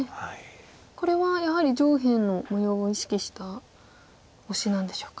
これはやはり上辺の模様を意識したオシなんでしょうか。